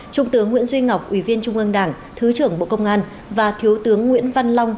trung tướng nguyễn duy ngọc ủy viên trung ương đảng thứ trưởng bộ công an và thiếu tướng nguyễn văn long